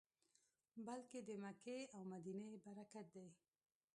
بلکې د مکې او مدینې برکت دی.